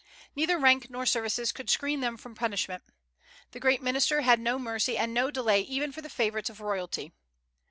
Neither rank nor services could screen them from punishment. The great minister had no mercy and no delay even for the favorites of royalty.